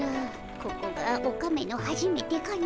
ここがオカメのはじめてかの。